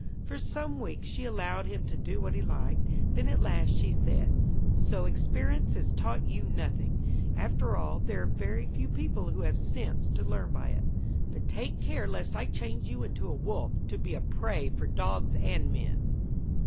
For some weeks she allowed him to do what he liked; then at last she said: 'So experience has taught you nothing! After all, there are very few people who have sense to learn by it. But take care lest I change you into a wolf, to be a prey for dogs and men!'